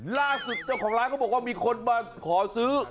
ล่าสุดเจ้าของร้านเขาบอกว่ามีคนมาขอซื้อ